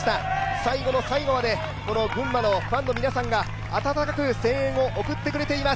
最後の最後まで群馬のファンの皆さんが温かく声援を送っていただいています。